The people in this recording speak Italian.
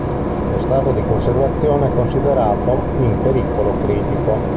Lo Stato di conservazione è considerato in pericolo critico.